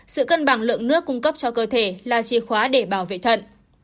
sự cân bằng lượng nước cung cấp cho cơ thể là chìa khóa để bảo vệ thận